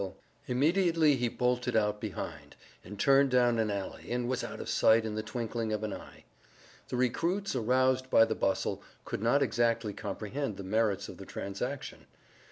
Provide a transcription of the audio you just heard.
Leaping up immediately, he bolted out behind, and turning down an alley, was out of sight in the twinkling of an eye. The recruits, aroused by the bustle, could not exactly comprehend the merits of the transaction.